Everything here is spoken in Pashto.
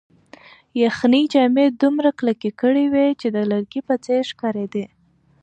یخنۍ جامې دومره کلکې کړې وې چې د لرګي په څېر ښکارېدې.